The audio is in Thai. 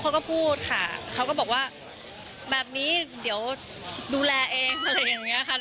เขาก็พูดค่ะเขาก็บอกว่าแบบนี้เดี๋ยวดูแลเองอะไรอย่างนี้ค่ะ